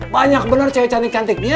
banyak bener cewe cantik cantiknya